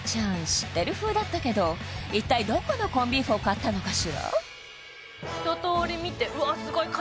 知ってるふうだったけど一体どこのコンビーフを買ったのかしらひととおり見てうわ